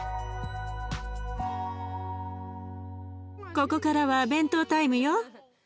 ここからは弁当タイムよ。